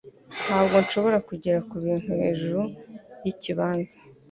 Ntabwo nshobora kugera kubintu hejuru yikibanza